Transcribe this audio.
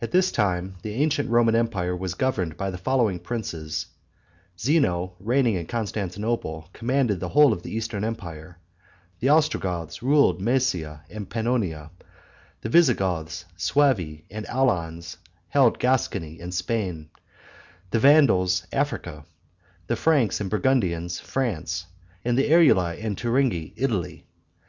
At this time the ancient Roman empire was governed by the following princes: Zeno, reigning in Constantinople, commanded the whole of the eastern empire; the Ostrogoths ruled Mesia and Pannonia; the Visigoths, Suavi, and Alans, held Gascony and Spain; the Vandals, Africa; the Franks and Burgundians, France; and the Eruli and Turingi, Italy.